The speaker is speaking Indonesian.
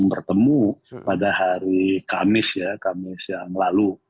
bertemu pada hari kamis ya kamis yang lalu